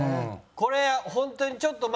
これ本当にちょっとま